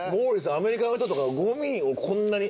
アメリカの人とかゴミをこんなに。